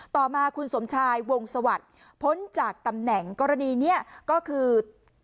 ต่อมาคุณสมชายวงสวัสดิ์พ้นจากตำแหน่งกรณีนี้ก็คือ